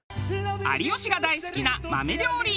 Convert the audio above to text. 有吉が大好きな豆料理。